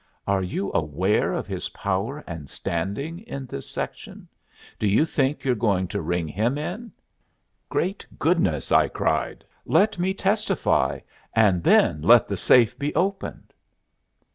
Are you aware of his power and standing in this section? Do you think you're going to ring him in?" "Great goodness!" I cried. "Let me testify, and then let the safe be opened."